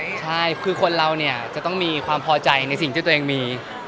ใช่คือคนเราเนี่ยจะต้องมีความพอใจในสิ่งที่ตัวเองมี